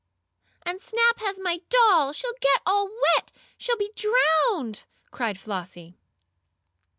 "And Snap has my doll! She'll get all wet she'll be drowned!" cried Flossie.